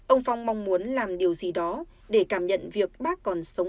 ông phong mong muốn làm điều gì đó để cảm nhận việc bác còn sống